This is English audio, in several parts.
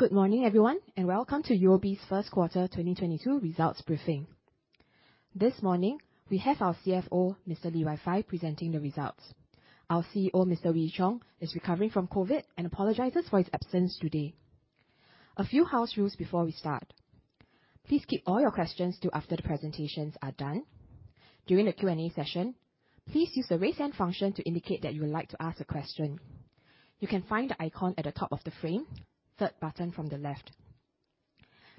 Good morning, everyone, and welcome to UOB's first quarter 2022 results briefing. This morning, we have our CFO, Mr. Lee Wai Fai, presenting the results. Our CEO, Mr. Wee Ee Cheong, is recovering from COVID-19 and apologizes for his absence today. A few house rules before we start. Please keep all your questions till after the presentations are done. During the Q&A session, please use the Raise Hand function to indicate that you would like to ask a question. You can find the icon at the top of the frame, third button from the left.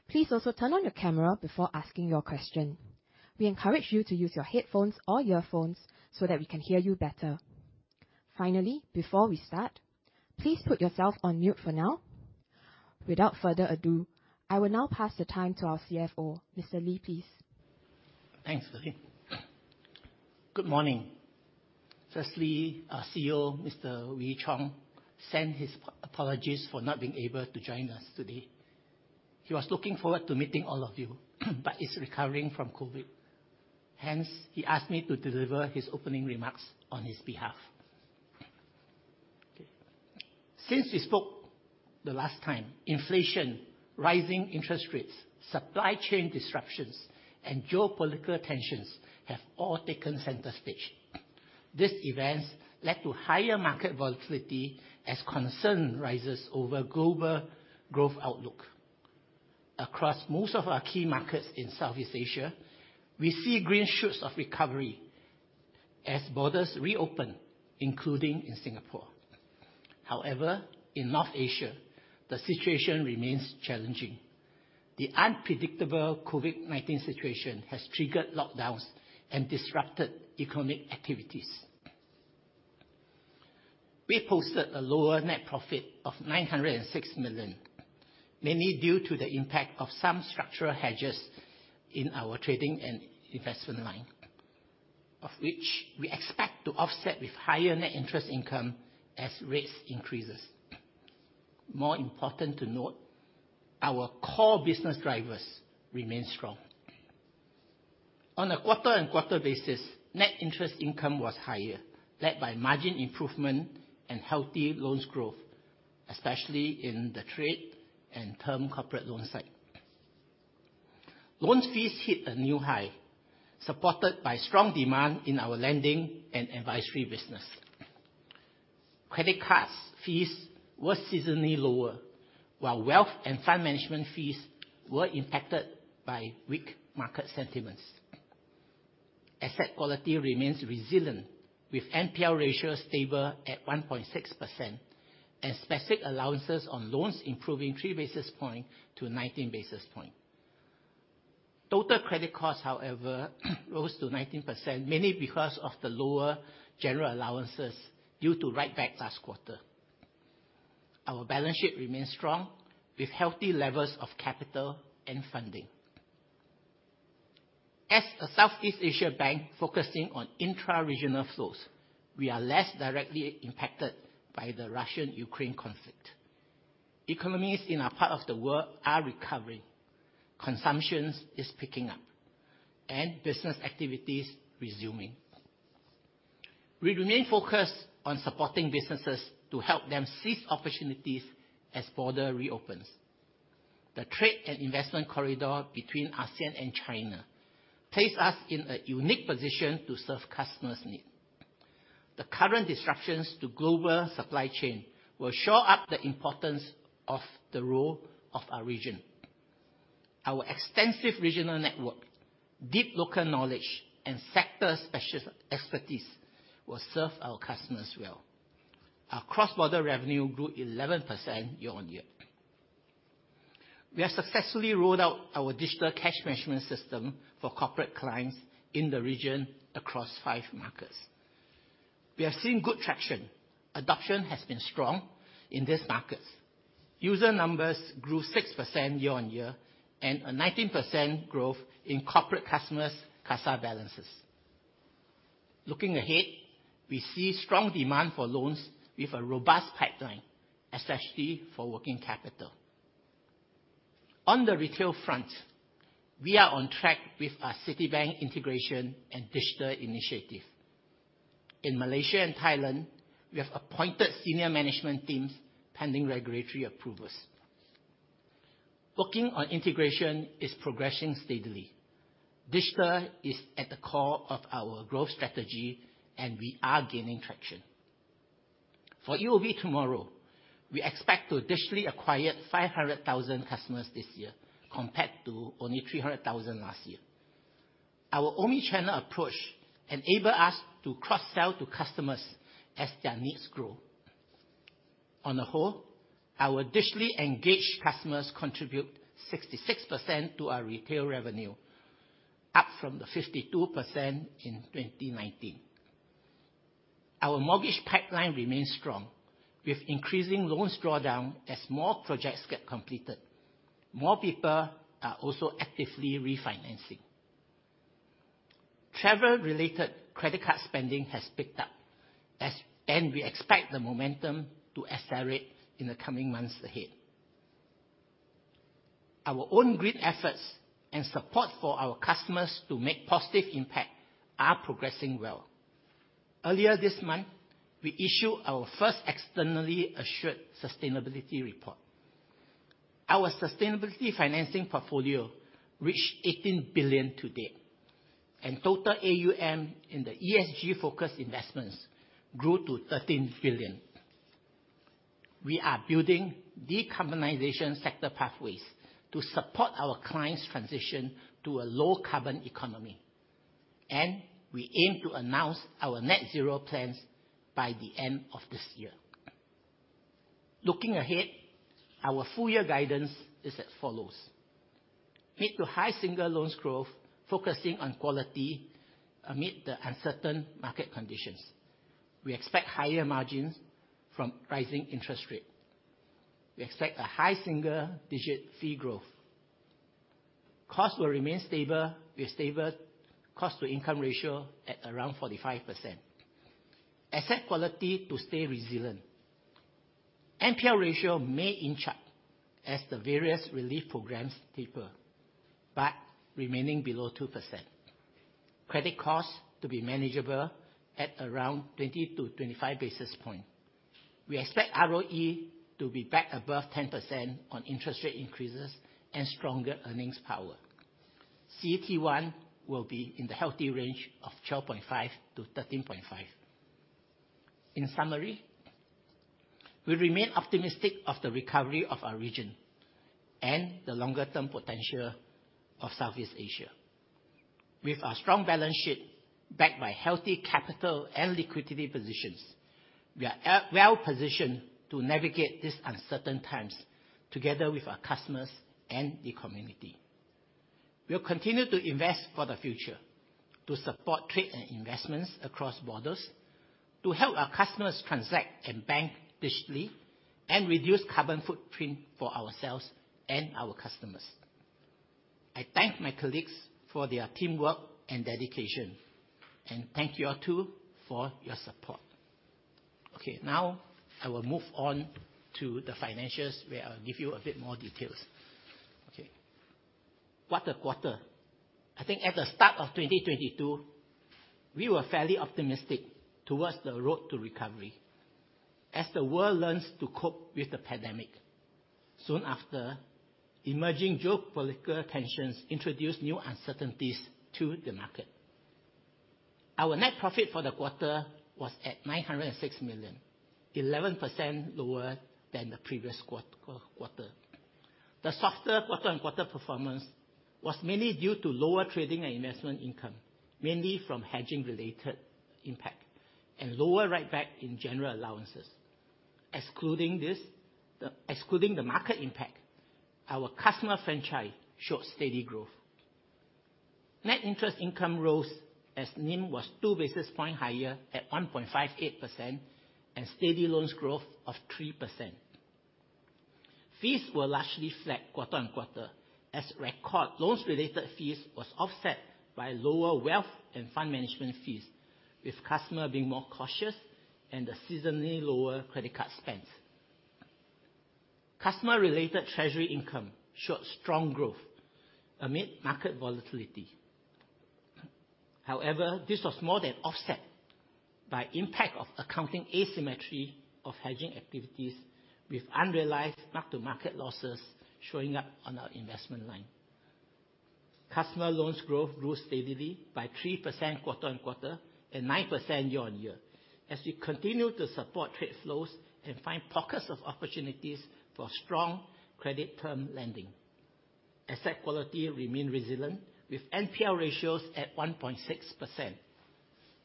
Please also turn on your camera before asking your question. We encourage you to use your headphones or earphones so that we can hear you better. Finally, before we start, please put yourself on mute for now. Without further ado, I will now pass the time to our CFO. Mr. Lee, please. Thanks, Celine. Good morning. Firstly, our CEO, Mr. Wee Ee Cheong, sends his apologies for not being able to join us today. He was looking forward to meeting all of you but is recovering from COVID-19. Hence, he asked me to deliver his opening remarks on his behalf. Okay. Since we spoke the last time, inflation, rising interest rates, supply chain disruptions, and geopolitical tensions have all taken center stage. These events led to higher market volatility as concern rises over global growth outlook. Across most of our key markets in Southeast Asia, we see green shoots of recovery as borders reopen, including in Singapore. However, in North Asia, the situation remains challenging. The unpredictable COVID-19 situation has triggered lockdowns and disrupted economic activities. We posted a lower net profit of 906 million, mainly due to the impact of some structural hedges in our trading and investment line, of which we expect to offset with higher net interest income as rates increases. More important to note, our core business drivers remain strong. On a quarter-on-quarter basis, net interest income was higher, led by margin improvement and healthy loans growth, especially in the trade and term corporate loan side. Loan fees hit a new high, supported by strong demand in our lending and advisor business. Credit card fees were seasonally lower, while wealth and fund management fees were impacted by weak market sentiments. Asset quality remains resilient with NPL ratio stable at 1.6% and specific allowances on loans improving 3 basis points to 19 basis points. Total credit costs, however, rose to 19%, mainly because of the lower general allowances due to write-backs last quarter. Our balance sheet remains strong with healthy levels of capital and funding. As a Southeast Asia bank focusing on intra-regional flows, we are less directly impacted by the Russia-Ukraine conflict. Economies in our part of the world are recovering, consumption is picking up, and business activities resuming. We remain focused on supporting businesses to help them seize opportunities as borders reopen. The trade and investment corridor between ASEAN and China place us in a unique position to serve customers' need. The current disruptions to global supply chain will show up the importance of the role of our region. Our extensive regional network, deep local knowledge, and sector-specific expertise will serve our customers well. Our cross-border revenue grew 11% year-on-year. We have successfully rolled out our digital cash management system for corporate clients in the region across five markets. We have seen good traction. Adoption has been strong in these markets. User numbers grew 6% year-on-year, and a 19% growth in corporate customers' CASA balances. Looking ahead, we see strong demand for loans with a robust pipeline, especially for working capital. On the retail front, we are on track with our Citigroup integration and digital initiative. In Malaysia and Thailand, we have appointed senior management teams pending regulatory approvals. Working on integration is progressing steadily. Digital is at the core of our growth strategy, and we are gaining traction. For UOB TMRW, we expect to digitally acquire 500,000 customers this year compared to only 300,000 last year. Our omnichannel approach enable us to cross-sell to customers as their needs grow. On a whole, our digitally engaged customers contribute 66% to our retail revenue, up from 52% in 2019. Our mortgage pipeline remains strong with increasing loans drawdown as more projects get completed. More people are also actively refinancing. Travel-related credit card spending has picked up, and we expect the momentum to accelerate in the coming months ahead. Our own great efforts and support for our customers to make positive impact are progressing well. Earlier this month, we issued our first externally assured sustainability report. Our sustainability financing portfolio reached 18 billion to date, and total AUM in the ESG focus investments grew to 13 billion. We are building decarbonization sector pathways to support our clients' transition to a low-carbon economy, and we aim to announce our net zero plans by the end of this year. Looking ahead, our full-year guidance is as follows. Mid- to high-single-digit loans growth, focusing on quality amid the uncertain market conditions. We expect higher margins from rising interest rate. We expect high single-digit fee growth. Costs will remain stable with stable cost-to-income ratio at around 45%. Asset quality to stay resilient. NPL ratio may inch up as the various relief programs taper, but remaining below 2%. Credit costs to be manageable at around 20-25 basis points. We expect ROE to be back above 10% on interest rate increases and stronger earnings power. CET1 will be in the healthy range of 12.5%-13.5%. In summary, we remain optimistic of the recovery of our region and the longer-term potential of Southeast Asia. With our strong balance sheet backed by healthy capital and liquidity positions, we are well-positioned to navigate these uncertain times together with our customers and the community. We'll continue to invest for the future to support trade and investments across borders, to help our customers transact and bank digitally, and reduce carbon footprint for ourselves and our customers. I thank my colleagues for their teamwork and dedication, and thank you all too for your support. Okay, now I will move on to the financials, where I'll give you a bit more details. Okay. What a quarter. I think at the start of 2022, we were fairly optimistic towards the road to recovery as the world learns to cope with the pandemic. Soon after, emerging geopolitical tensions introduced new uncertainties to the market. Our net profit for the quarter was at 906 million, 11% lower than the previous quarter. The softer quarter-on-quarter performance was mainly due to lower trading and investment income, mainly from hedging-related impact and lower write-backs in general allowances. Excluding the market impact, our customer franchise showed steady growth. Net interest income rose as NIM was 2 basis points higher at 1.58% and steady loans growth of 3%. Fees were largely flat quarter-on-quarter as record loan-related fees was offset by lower wealth and fund management fees, with customer being more cautious and the seasonally lower credit card spends. Customer-related treasury income showed strong growth amid market volatility. However, this was more than offset by impact of accounting asymmetry of hedging activities with unrealized mark-to-market losses showing up on our investment line. Customer loans growth grew steadily by 3% quarter-on-quarter and 9% year-on-year as we continue to support trade flows and find pockets of opportunities for strong credit term lending. Asset quality remain resilient with NPL ratios at 1.6%.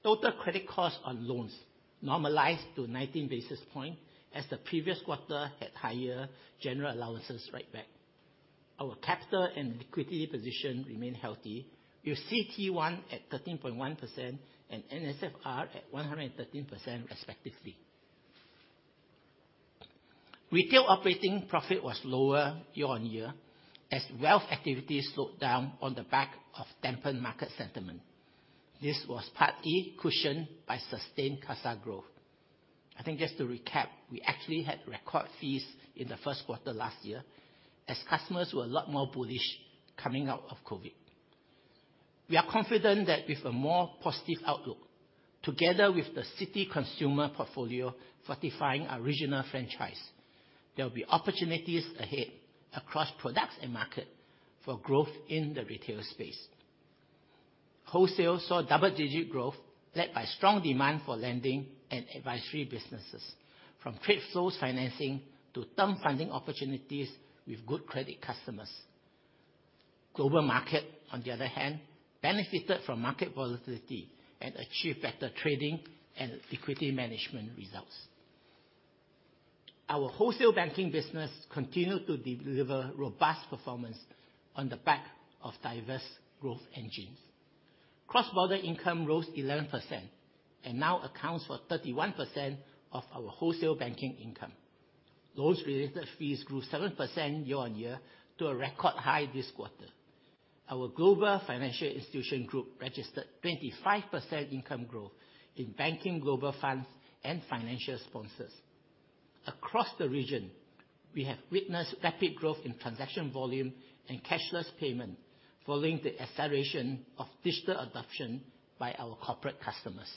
Total credit cost on loans normalized to 19 basis points, as the previous quarter had higher general allowances write back. Our capital and liquidity position remain healthy, with CET1 at 13.1% and NSFR at 113%, respectively. Retail operating profit was lower year-on-year as wealth activities slowed down on the back of dampened market sentiment. This was partly cushioned by sustained CASA growth. I think just to recap, we actually had record fees in the first quarter last year as customers were a lot more bullish coming out of COVID. We are confident that with a more positive outlook, together with the Citi consumer portfolio fortifying our regional franchise, there will be opportunities ahead across products and market for growth in the retail space. Wholesale saw double-digit growth led by strong demand for lending and advisory businesses, from trade flows financing to term funding opportunities with good credit customers. Global Markets, on the other hand, benefited from market volatility and achieved better trading and liquidity management results. Our wholesale banking business continued to deliver robust performance on the back of diverse growth engines. Cross-border income rose 11% and now accounts for 31% of our wholesale banking income. Loan-related fees grew 7% year on year to a record high this quarter. Our global financial institution group registered 25% income growth in banking global funds and financial sponsors. Across the region, we have witnessed rapid growth in transaction volume and cashless payment following the acceleration of digital adoption by our corporate customers.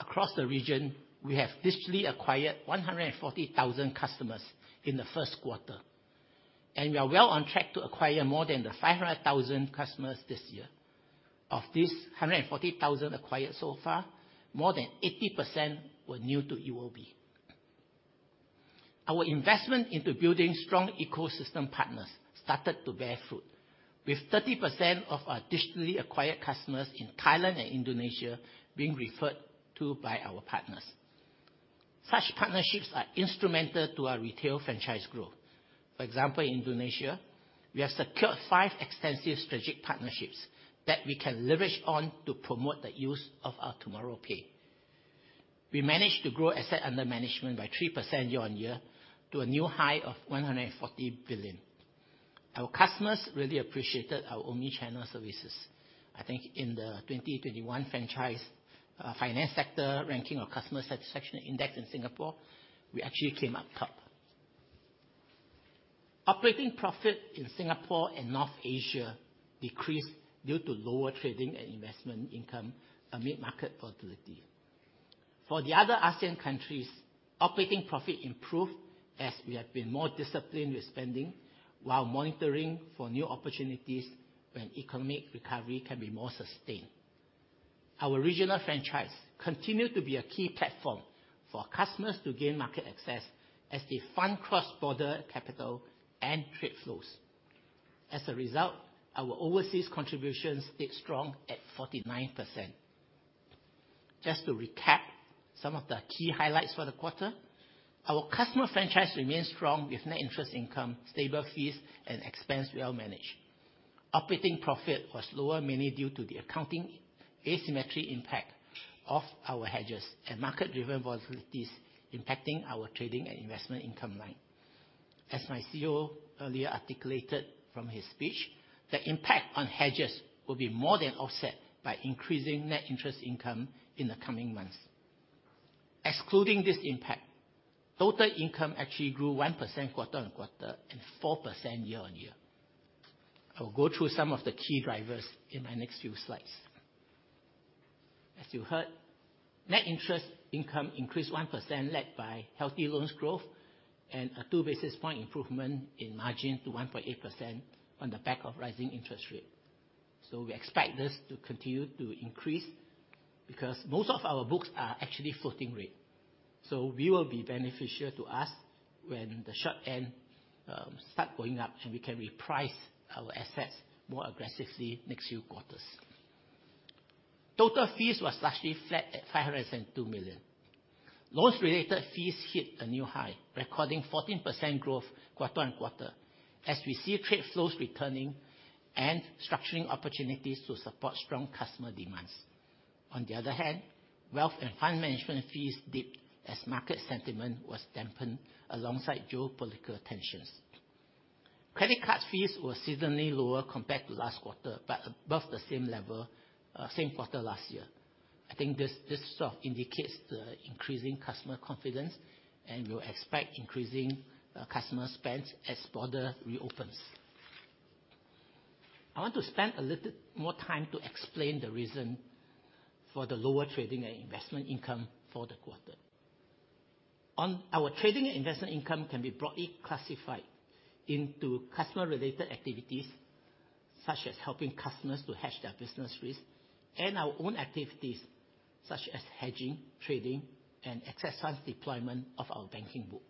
Across the region, we have digitally acquired 140,000 customers in the first quarter, and we are well on track to acquire more than the 500,000 customers this year. Of these 140,000 acquired so far, more than 80% were new to UOB. Our investment into building strong ecosystem partners started to bear fruit, with 30% of our digitally acquired customers in Thailand and Indonesia being referred to by our partners. Such partnerships are instrumental to our retail franchise growth. For example, in Indonesia, we have secured five extensive strategic partnerships that we can leverage on to promote the use of our TMRW Pay. We managed to grow assets under management by 3% year-on-year to a new high of 140 billion. Our customers really appreciated our omni-channel services. I think in the 2021 franchise finance sector ranking of customer satisfaction index in Singapore, we actually came up top. Operating profit in Singapore and North Asia decreased due to lower trading and investment income amid market volatility. For the other Asian countries, operating profit improved as we have been more disciplined with spending while monitoring for new opportunities when economic recovery can be more sustained. Our regional franchise continued to be a key platform for customers to gain market access as they fund cross-border capital and trade flows. As a result, our overseas contributions stayed strong at 49%. Just to recap some of the key highlights for the quarter, our customer franchise remains strong with net interest income, stable fees, and expense well managed. Operating profit was lower, mainly due to the accounting asymmetry impact of our hedges and market-driven volatilities impacting our trading and investment income line. As my CEO earlier articulated from his speech, the impact on hedges will be more than offset by increasing net interest income in the coming months. Excluding this impact, total income actually grew 1% quarter-on-quarter and 4% year-on-year. I will go through some of the key drivers in my next few slides. As you heard, net interest income increased 1%, led by healthy loans growth and a 2 basis point improvement in margin to 1.8% on the back of rising interest rate. We expect this to continue to increase because most of our books are actually floating rate. We will be beneficial to us when the short end start going up and we can reprice our assets more aggressively next few quarters. Total fees was largely flat at 502 million. Loans-related fees hit a new high, recording 14% growth quarter-on-quarter as we see trade flows returning and structuring opportunities to support strong customer demands. On the other hand, wealth and fund management fees dipped as market sentiment was dampened alongside geopolitical tensions. Credit card fees were seasonally lower compared to last quarter but above the same level, same quarter last year. I think this sort of indicates the increasing customer confidence and will expect increasing customer spends as border reopens. I want to spend a little more time to explain the reason for the lower trading and investment income for the quarter. Our trading and investment income can be broadly classified into customer-related activities, such as helping customers to hedge their business risk, and our own activities, such as hedging, trading, and excess funds deployment of our banking book.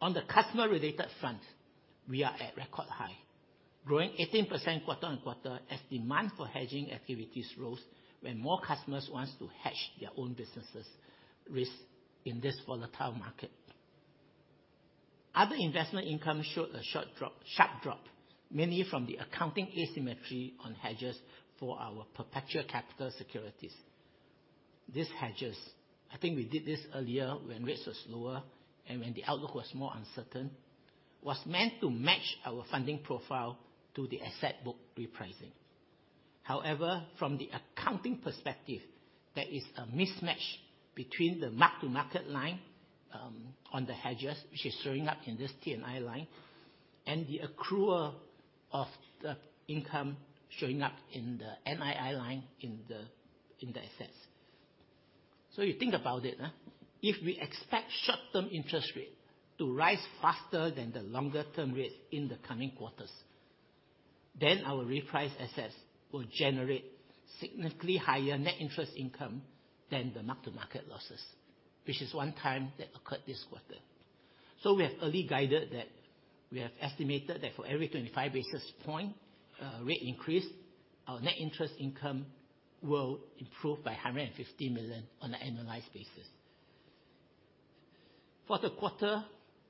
On the customer-related front, we are at record high, growing 18% quarter-on-quarter as demand for hedging activities rose when more customers want to hedge their own business risk in this volatile market. Other investment income showed a sharp drop, mainly from the accounting asymmetry on hedges for our perpetual capital securities. These hedges, I think we did this earlier when rates were lower and when the outlook was more uncertain, was meant to match our funding profile to the asset book repricing. However, from the accounting perspective, there is a mismatch between the mark-to-market line on the hedges, which is showing up in this T&I line, and the accrual of the income showing up in the NII line in the assets. You think about it, if we expect short-term interest rate to rise faster than the longer-term rate in the coming quarters, then our reprice assets will generate significantly higher net interest income than the mark-to-market losses, which is one time that occurred this quarter. We have already guided that we have estimated that for every 25 basis points rate increase, our net interest income will improve by 150 million on an annualized basis. For the quarter,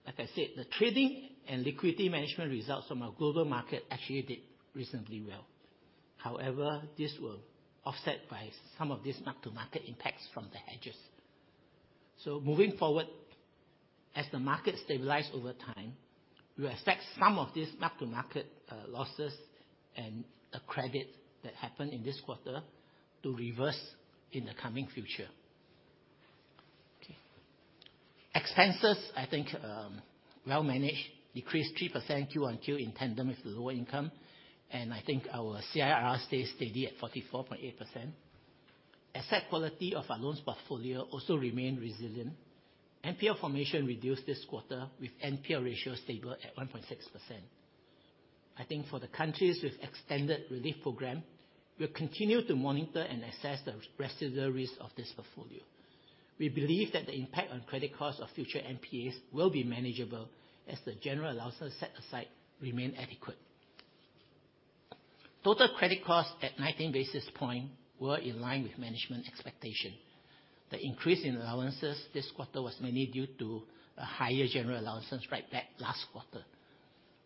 like I said, the trading and liquidity management results from our global markets actually did reasonably well. However, these were offset by some of these mark-to-market impacts from the hedges. Moving forward, as the market stabilizes over time, we expect some of these mark-to-market losses and accretions that happened in this quarter to reverse in the coming future. Okay. Expenses, I think, well managed. Decreased 3% Q-o-Q in tandem with the lower income. I think our CIR stays steady at 44.8%. Asset quality of our loans portfolio also remains resilient. NPL formation reduced this quarter, with NPL ratio stable at 1.6%. I think for the countries with extended relief program, we'll continue to monitor and assess the residual risk of this portfolio. We believe that the impact on credit costs of future NPAs will be manageable as the general allowances set aside remain adequate. Total credit costs at 19 basis points were in line with management expectation. The increase in allowances this quarter was mainly due to a higher general allowances write-back last quarter.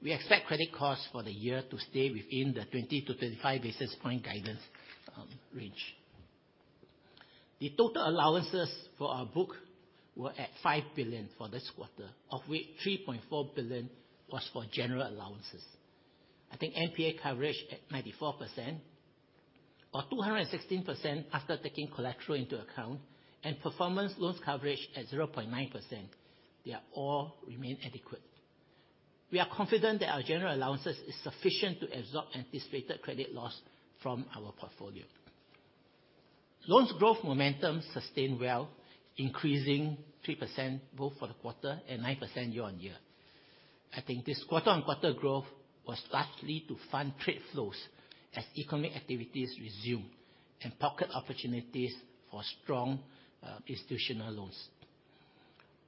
We expect credit costs for the year to stay within the 20-25 basis point guidance range. The total allowances for our book were at 5 billion for this quarter, of which 3.4 billion was for general allowances. I think NPA coverage at 94% or 216% after taking collateral into account and performing loans coverage at 0.9%. They all remain adequate. We are confident that our general allowances is sufficient to absorb anticipated credit loss from our portfolio. Loans growth momentum sustained well, increasing 3% both for the quarter and 9% year-on-year. I think this quarter-on-quarter growth was largely to fund trade flows as economic activities resume and pocket opportunities for strong institutional loans.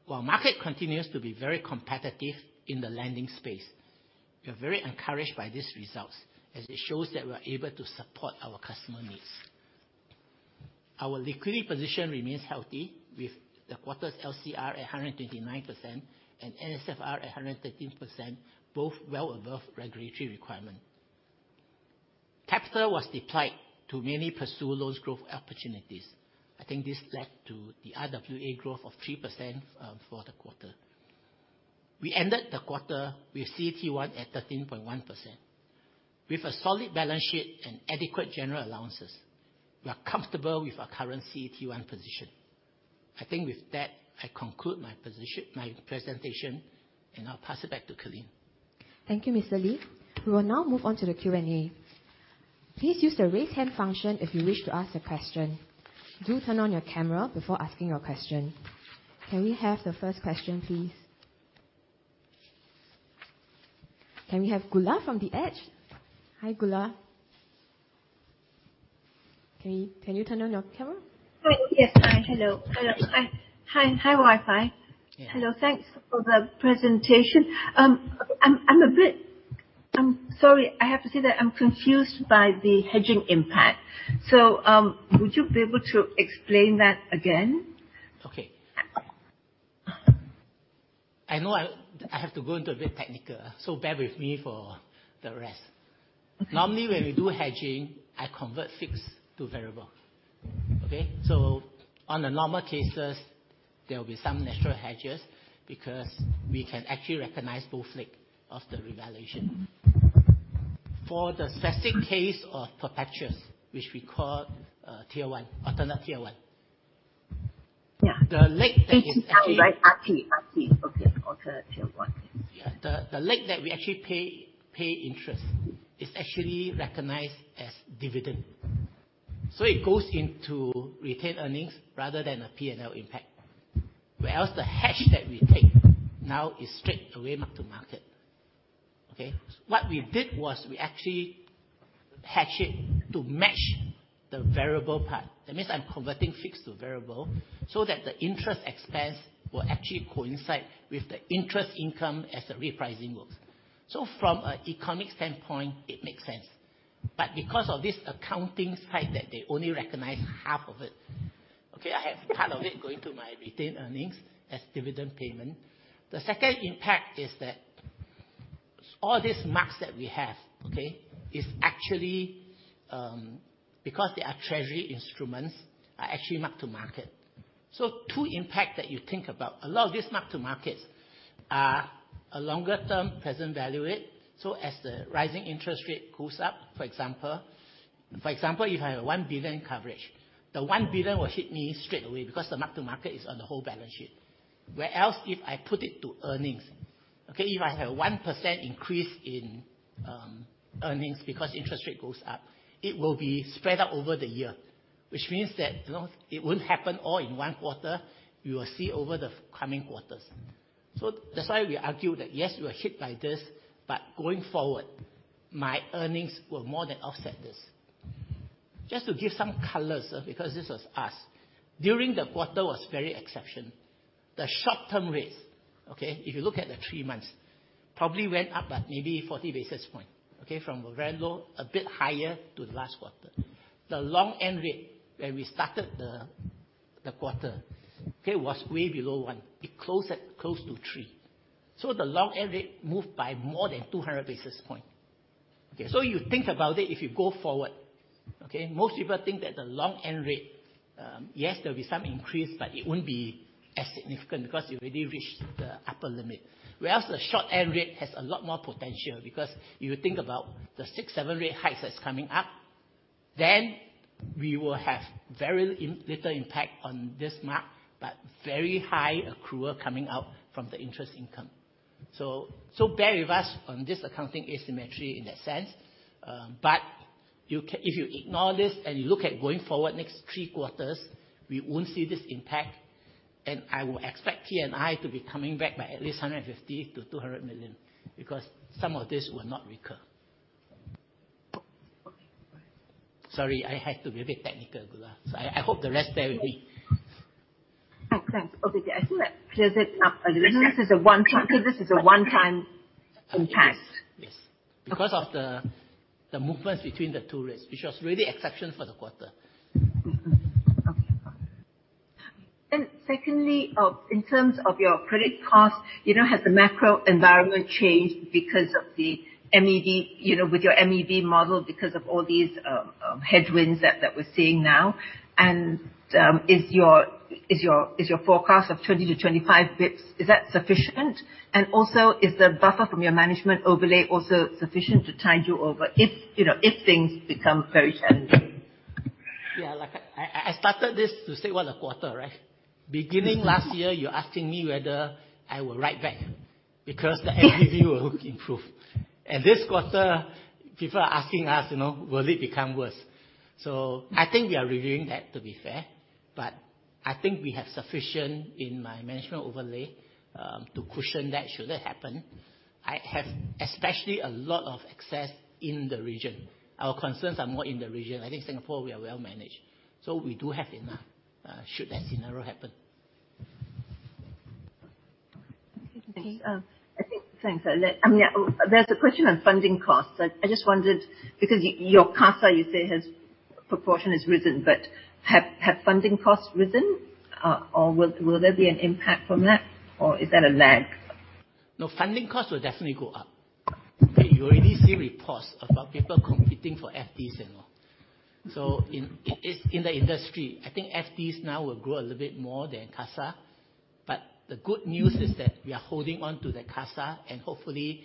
While market continues to be very competitive in the lending space, we are very encouraged by these results, as it shows that we are able to support our customer needs. Our liquidity position remains healthy with the quarter's LCR at 129% and NSFR at 113%, both well above regulatory requirement. Capital was deployed to mainly pursue loans growth opportunities. I think this led to the RWA growth of 3% for the quarter. We ended the quarter with CET1 at 13.1%. With a solid balance sheet and adequate general allowances, we are comfortable with our current CET1 position. I think with that, I conclude my presentation, and I'll pass it back to Celine. Thank you, Mr. Lee. We will now move on to the Q&A. Please use the Raise Hand function if you wish to ask a question. Do turn on your camera before asking your question. Can we have the first question, please? Can we have Goola from The Edge? Hi, Goola. Can you turn on your camera? Hi. Yes. Hello, Wai Fai. Yeah. Hello Wai Fai. Thanks for the presentation. I'm sorry; I have to say that I'm confused by the hedging impact, so would you be able to explain that again? Okay. I know I have to go into a bit technical, so bear with me for the rest. Okay. Normally, when we do hedging, I convert fixed to variable. Okay? On the normal cases, there will be some natural hedges because we can actually recognize both leg of the revaluation. For the specific case of perpetuals, which we call Tier 1, Additional Tier 1. Yeah. The leg that is actually Oh, right. AT1. Okay. Additional Tier 1. Yeah. The leg that we actually pay interest is actually recognized as dividend. It goes into retained earnings rather than a P&L impact. Whereas the hedge that we take now is straight away mark-to-market, okay? What we did was we actually hedge it to match the variable part. That means I'm converting fixed to variable so that the interest expense will actually coincide with the interest income as the repricing works. From an economic standpoint, it makes sense. Because of this accounting side, they only recognize half of it. Okay, I have part of it going to my retained earnings as dividend payment. The second impact is that all these marks that we have, okay, is actually, because they are treasury instruments, are actually mark-to-market. Two impact that you think about. A lot of these mark-to-markets are a longer-term present value hit, so as the rising interest rate goes up, for example. For example, if I have a 1 billion coverage, the 1 billion will hit me straight away because the mark-to-market is on the whole balance sheet. Whereas if I put it to earnings, okay, if I have 1% increase in earnings because interest rate goes up, it will be spread out over the year, which means that, you know, it won't happen all in one quarter. We will see over the forthcoming quarters. That's why we argue that, yes, we are hit by this, but going forward, my earnings will more than offset this. Just to give some color, because this was asked, during the quarter was very exceptional. The short-term rates, okay, if you look at the 3 months, probably went up by maybe 40 basis points, okay? From a very low, a bit higher to the last quarter. The long-end rate when we started the quarter, okay, was way below 1. It closed at close to 3. The long-end rate moved by more than 200 basis points. Okay, so you think about it if you go forward, okay? Most people think that the long-end rate, yes, there'll be some increase, but it won't be as significant because you've already reached the upper limit. Whereas the short-end rate has a lot more potential because if you think about the 6 or 7 rate hikes that's coming up, then we will have very little impact on this mark but very high accrual coming out from the interest income. Bear with us on this accounting asymmetry in that sense. If you ignore this and you look at going forward next three quarters, we won't see this impact, and I will expect T&I to be coming back by at least 150 million-200 million, because some of this will not recur. Okay. Bye. Sorry, I had to be a bit technical, Goola. I hope the rest bear with me. Oh, thanks. Okay. I think that clears it up a little. Yeah. This is a one-time impact. Yes. Yes. Okay. Because of the movements between the two rates, which was really exceptional for the quarter. Secondly, in terms of your credit cost, you know, has the macro environment changed because of the MEV, you know, with your MEV model, because of all these headwinds that we're seeing now? Is your forecast of 20-25 basis points sufficient? Is the buffer from your management overlay also sufficient to tide you over if, you know, if things become very challenging? Yeah. Like, I started this to say what a quarter, right? Mm-hmm. Beginning last year, you're asking me whether I will write back because the MEV will improve. This quarter, people are asking us, you know, "Will it become worse?" I think we are reviewing that, to be fair. I think we have sufficient in my management overlay to cushion that should that happen. I have especially a lot of excess in the region. Our concerns are more in the region. I think Singapore, we are well managed. We do have enough should that scenario happen. Okay. Thanks. Thanks. Yeah, there's a question on funding costs. I just wondered because your CASA, you say, proportion has risen, but have funding costs risen? Or will there be an impact from that? Or is that a lag? No, funding costs will definitely go up. Okay, you already see reports about people competing for FDs and all. In, it's in the industry. I think FDs now will grow a little bit more than CASA. The good news is that we are holding on to the CASA and hopefully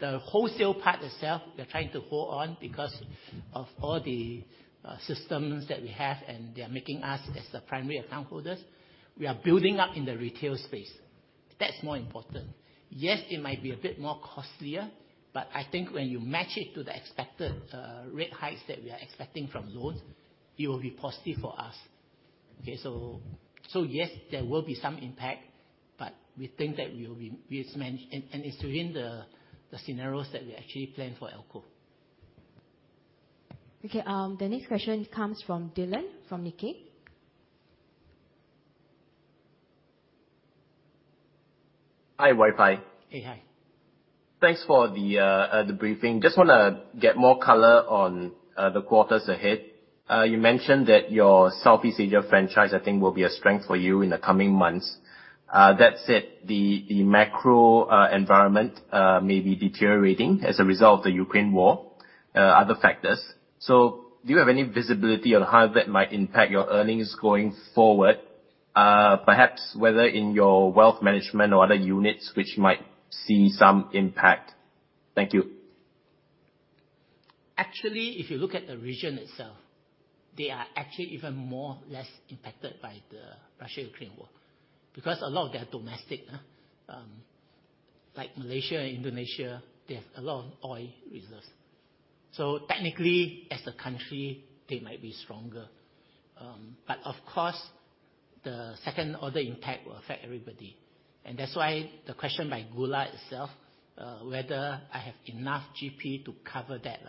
the wholesale part itself; we are trying to hold on because of all the systems that we have, and they are making us as the primary account holders. We are building up in the retail space. That's more important. Yes, it might be a bit more costlier, but I think when you match it to the expected rate hikes that we are expecting from loans, it will be positive for us. Yes, there will be some impact, but we think that we just manage, and it's within the scenarios that we actually plan for ALCO. Okay. The next question comes from Dylan, from Nikkei. Hi, Wai Fai. Hey. Hi. Thanks for the briefing. Just wanna get more color on the quarters ahead. You mentioned that your Southeast Asia franchise, I think, will be a strength for you in the coming months. That said, the macro environment may be deteriorating as a result of the Ukraine war, other factors. Do you have any visibility on how that might impact your earnings going forward? Perhaps whether in your wealth management or other units, which might see some impact. Thank you. Actually, if you look at the region itself, they are actually even more less impacted by the Russia-Ukraine war because a lot of they are domestic. Like Malaysia and Indonesia, they have a lot of oil reserves. Technically, as a country, they might be stronger. Of course, the second-order impact will affect everybody. That's why the question by Goola itself, whether I have enough GP to cover that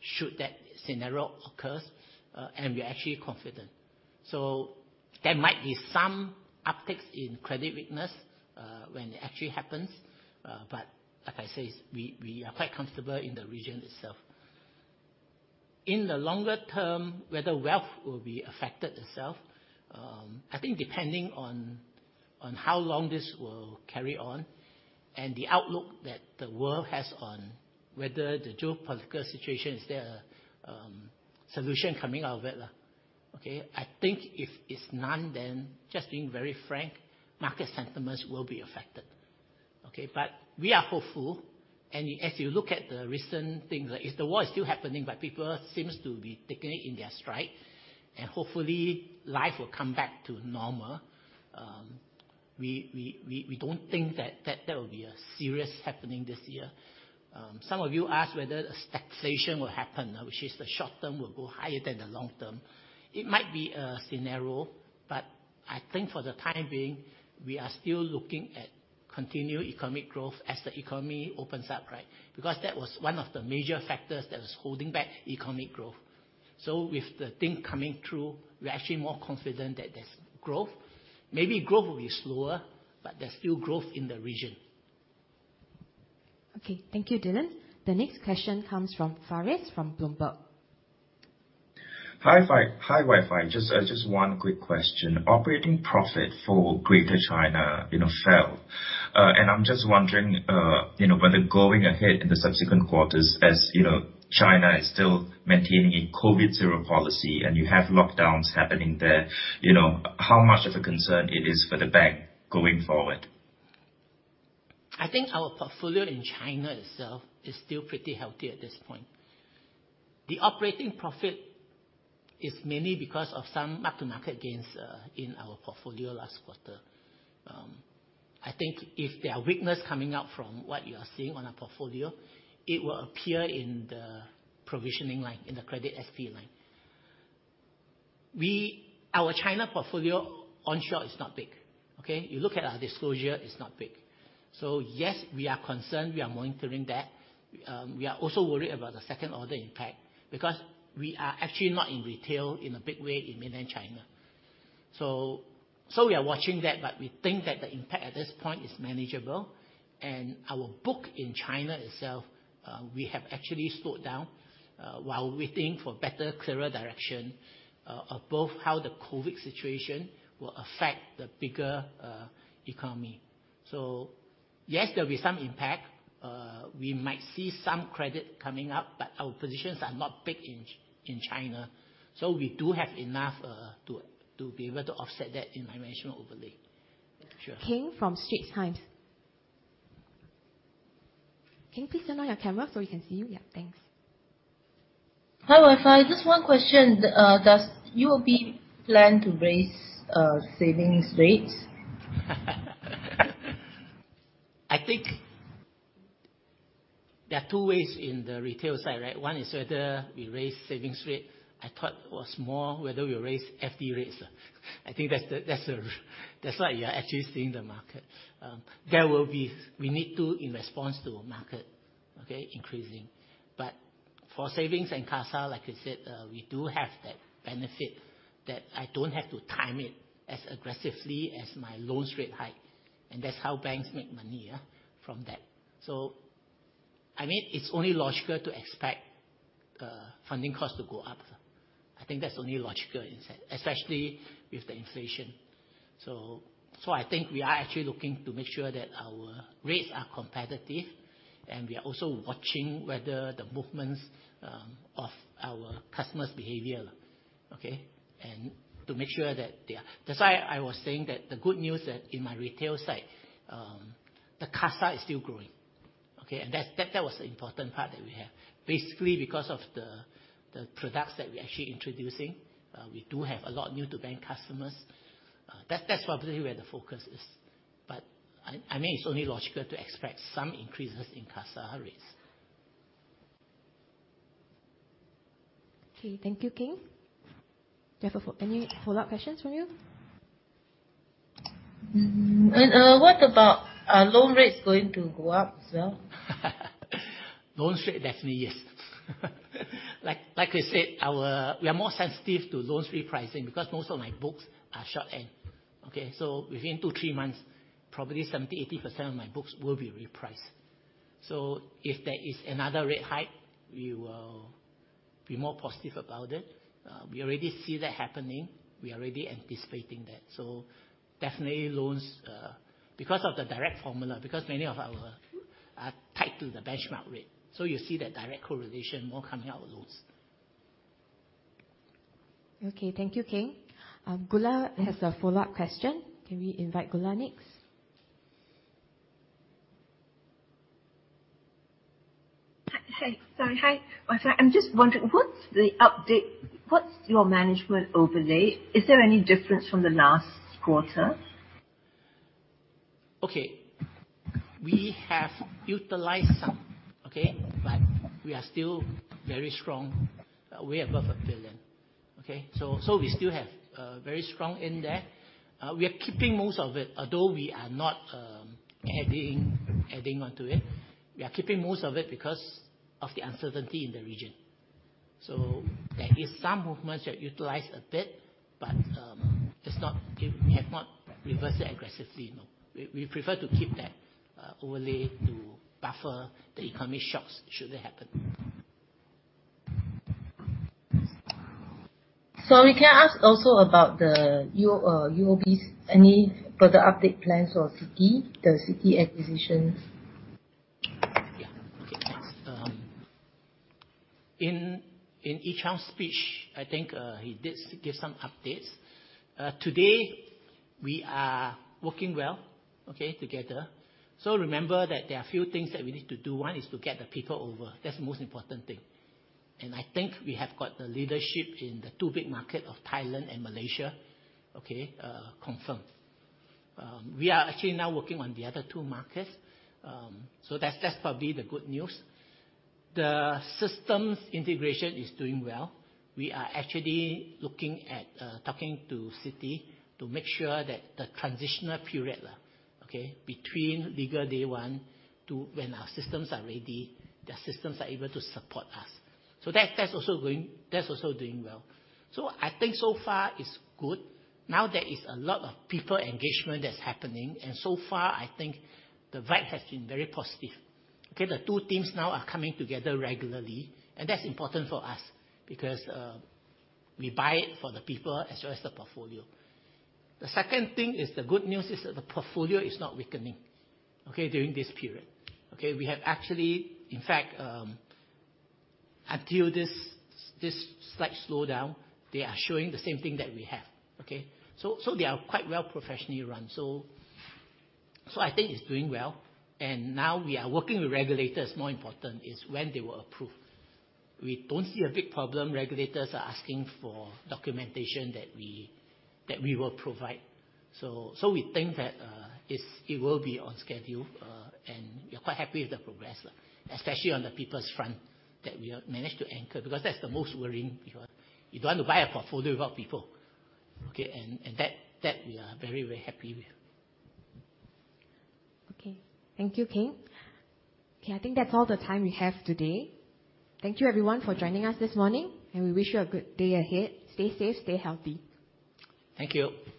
should that scenario occurs, and we're actually confident. There might be some upticks in credit weakness when it actually happens. Like I say, we are quite comfortable in the region itself. In the longer term, whether wealth will be affected itself, I think depending on how long this will carry on and the outlook that the world has on whether the geopolitical situation is there a solution coming out of it, okay? I think if it's none, then just being very frank, market sentiments will be affected, okay? We are hopeful, and as you look at the recent things, like if the war is still happening but people seems to be taking it in their stride, and hopefully life will come back to normal, we don't think that will be a serious happening this year. Some of you asked whether a stagflation will happen, which is the short term will go higher than the long term. It might be a scenario, but I think for the time being, we are still looking at continued economic growth as the economy opens up, right? Because that was one of the major factors that was holding back economic growth. With the thing coming through, we're actually more confident that there's growth. Maybe growth will be slower, but there's still growth in the region. Okay. Thank you, Dylan. The next question comes from Faris, from Bloomberg. Hi, Wai Fai. Just one quick question. Operating profit for Greater China, you know, fell. I'm just wondering, you know, whether going ahead in the subsequent quarters, as you know, China is still maintaining a COVID zero policy and you have lockdowns happening there, you know, how much of a concern it is for the bank going forward. I think our portfolio in China itself is still pretty healthy at this point. The operating profit is mainly because of some mark-to-market gains in our portfolio last quarter. I think if there are weakness coming out from what you are seeing on our portfolio, it will appear in the provisioning line, in the credit SP line. Our China portfolio onshore is not big. Okay? You look at our disclosure; it's not big. Yes, we are concerned. We are monitoring that. We are also worried about the second-order impact because we are actually not in retail in a big way in mainland China. We are watching that, but we think that the impact at this point is manageable. Our book in China itself, we have actually slowed down while waiting for better, clearer direction of both how the COVID situation will affect the bigger economy. Yes, there'll be some impact. We might see some credit coming up, but our positions are not big in China, so we do have enough to be able to offset that in my management overlay. Sure. Teng from Straits Times. Teng, please turn on your camera so we can see you. Yeah, thanks. Hi, Wai Fai. Just one question. Does UOB plan to raise savings rates? I think there are two ways in the retail side, right? One is whether we raise savings rate. I thought it was more whether we raise FD rates. I think that's what you are actually seeing in the market. We need to increase in response to the market, okay. For savings and CASA, like I said, we do have that benefit that I don't have to time it as aggressively as my loan rate hike, and that's how banks make money, yeah, from that. I mean, it's only logical to expect funding costs to go up. I think that's only logical, especially with the inflation. I think we are actually looking to make sure that our rates are competitive, and we are also watching whether the movements of our customers' behavior, okay? That's why I was saying that the good news that in my retail side, the CASA is still growing, okay? That was the important part that we have. Basically because of the products that we're actually introducing, we do have a lot new to bank customers. That's probably where the focus is. I mean, it's only logical to expect some increases in CASA rates. Okay, thank you, Teng. Do you have any follow-up questions from you? What about? Are loan rates going to go up as well? Loan rate, definitely. Yes. Like I said, we are more sensitive to loan spread pricing because most of my books are shor-end.. Okay? Within 2-3 months, probably 70%-80% of my books will be repriced. If there is another rate hike, we will be more positive about it. We already see that happening. We are already anticipating that. Definitely loans, because of the direct formula, because many of our loans are tied to the benchmark rate. You see that direct correlation more coming out with loans. Okay. Thank you, King. Goola has a follow-up question. Can we invite Goola next? Hi, Lee Wai Fai. I'm just wondering, what's your management overlay? Is there any difference from the last quarter? We have utilized some. We are still very strong, way above 1 billion. We still have very strong in there. We are keeping most of it, although we are not adding onto it. We are keeping most of it because of the uncertainty in the region. There is some movements that utilize a bit, but we have not reversed it aggressively, no. We prefer to keep that overlay to buffer the economic shocks should they happen. We can ask also about the UOB. Any further update plans for Citi, the Citi acquisitions? Yeah. Okay, thanks. In Ee Cheong's speech, I think he did give some updates. Today we are working well, okay, together. Remember that there are a few things that we need to do. One is to get the people over. That's the most important thing. I think we have got the leadership in the two big markets of Thailand and Malaysia; okay, confirmed. We are actually now working on the other two markets. That's probably the good news. The systems integration is doing well. We are actually looking at talking to Citi to make sure that the transitional period, okay, between legal day one to when our systems are ready, their systems are able to support us. That's also doing well. I think so far it's good. Now there is a lot of people engagement that's happening, and so far I think the vibe has been very positive. Okay. The two teams now are coming together regularly, and that's important for us because we bought it for the people as well as the portfolio. The second thing is, the good news is that the portfolio is not weakening, okay, during this period. Okay. We have, actually, in fact, until this slight slowdown; they are showing the same thing that we have. Okay. So I think it's doing well. Now we are working with regulators. More important is when they will approve. We don't see a big problem. Regulators are asking for documentation that we will provide. We think that it will be on schedule, and we're quite happy with the progress, especially on the people's front that we have managed to anchor, because that's the most worrying because you don't want to buy a portfolio without people. Okay. That we are very, very happy with. Okay. Thank you, King. Okay, I think that's all the time we have today. Thank you, everyone, for joining us this morning, and we wish you a good day ahead. Stay safe, stay healthy. Thank you.